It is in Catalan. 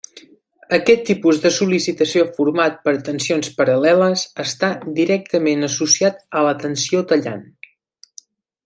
Aquest tipus de sol·licitació format per tensions paral·leles està directament associat a la tensió tallant.